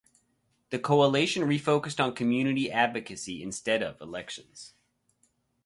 The Coalition refocused on community advocacy instead of elections.